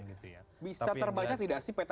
oke bisa terbaca tidak sih peta peta